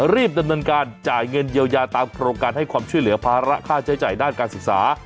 รีบดำเนินการจ่ายเงินเยียวยาตามโครงการให้ความช่วยเหลือภาระค่าใช้จ่ายด้านการศึกษา